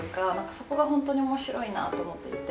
そこがホントに面白いなと思っていて。